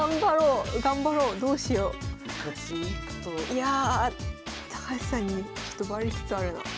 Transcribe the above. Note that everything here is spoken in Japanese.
いやあ高橋さんにちょっとバレつつあるな。